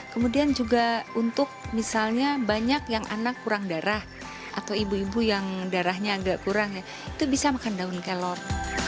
kemudian juga untuk misalnya banyak yang anak kurang darah atau ibu ibu yang darahnya agak kurang ya itu bisa makan daun kelor